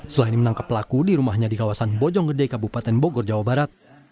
selain menangkap pelaku di rumahnya di kawasan bojonggede kabupaten bogor jawa barat